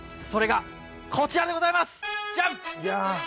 それがこちらでございます、ジャン！